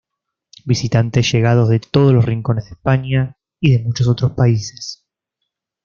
Visitantes llegados de todos los rincones de España y de muchos otros países.